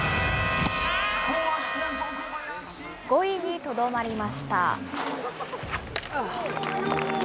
５位にとどまりました。